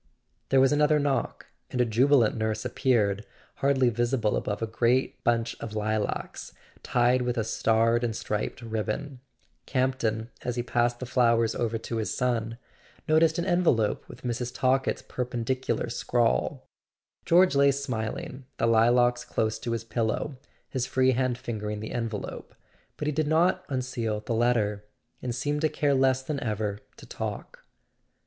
.. There was another knock; and a jubilant nurse appeared, hardly visible above a great bunch of lilacs tied with a starred and striped ribbon. Campton, as he passed the flowers over to his son, noticed an envelope with Mrs. Talkett's perpendicular scrawl. George lay smiling, the lilacs close to his pillow, his free hand fingering the envelope; but he did not unseal the letter, and seemed to care less than ever to talk.